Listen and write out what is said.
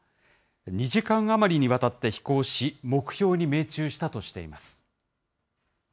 ２時間余りにわたって飛行し、目標に命中したとしています。